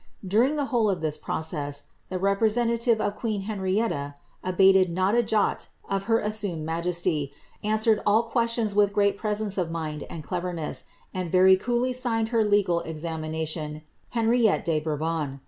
During the whole of this process, the representative of queen Henrietta abated not a jot of her assumed majesty, answered all ques tions with great presence of mind and cleverness, and very coolly Horned her legal examination, ^^ Henrictte de Bourbon."